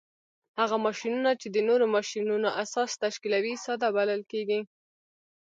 هغه ماشینونه چې د نورو ماشینونو اساس تشکیلوي ساده بلل کیږي.